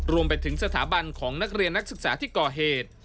รวมไปถึงสถาบันของนักเรียนนักศึกษาที่ก่อเหตุ